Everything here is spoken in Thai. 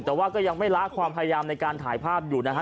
แต่ว่าก็ยังไม่ละความพยายามในการถ่ายภาพอยู่นะฮะ